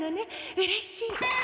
うれしい！